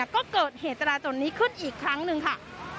ก็เกิดเหตุตราจนนี้ขึ้นอีกครั้งหนึ่งค่ะ